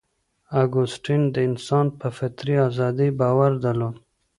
اګوستین د انسان په فطري ازادۍ باور درلود.